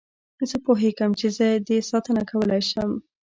زه پوهېږم چې زه دې ساتنه کولای شم.